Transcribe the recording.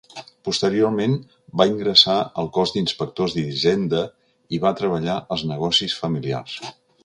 Posteriorment va ingressar al cos d'inspectors d'hisenda i va treballar als negocis familiars.